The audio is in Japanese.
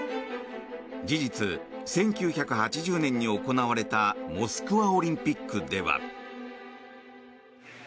事実、１９８０年に行われたモスクワオリンピックでは。